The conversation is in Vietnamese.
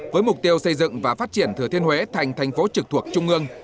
với mục tiêu xây dựng và phát triển thừa thiên huế thành thành phố trực thuộc trung ương